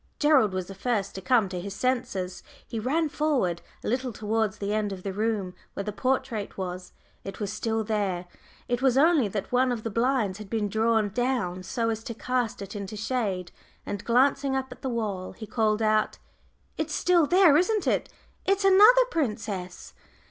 Gerald was the first to come to his senses. He ran forward a little towards the end of the room where the portrait was it was still there; it was only that one of the blinds had been drawn down so as to cast it into shade and glancing up at the wall, he called out, "It's still there it isn't it. It's another princess."